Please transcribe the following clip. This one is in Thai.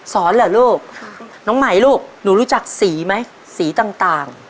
สอนเหรอลูกค่ะน้องไหมลูกหนูรู้จักสีไหมสีต่างต่าง